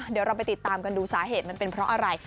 เดี๋ยวเราไปติดตามกันดูสาเหตุมันเป็นเพราะอะไร